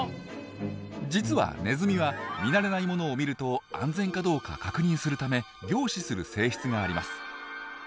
実はネズミは見慣れないものを見ると安全かどうか確認するため凝視する性質があります。